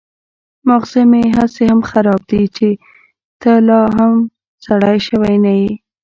ماغزه مې هسې هم خراب دي چې ته لا هم سړی شوی نه يې.